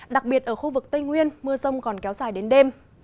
đặc biệt ở khu vực tây nguyên mưa rông còn kéo dài đến đêm